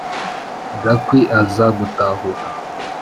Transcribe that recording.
gakwi aza gutahuka.